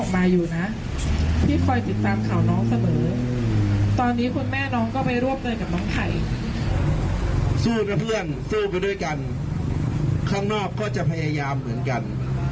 สู้นะเพื่อนสู้ไปด้วยกันข้างนอกก็จะพยายามเหมือนกัน